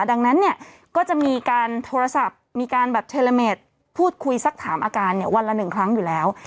ดังนั้นเนี่ยก็จะมีการโทรศัพท์มีการแบบเทลเมดพูดคุยสักถามอาการเนี่ยวันละ๑ครั้งอยู่แล้ว